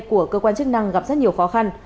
của cơ quan chức năng gặp rất nhiều khó khăn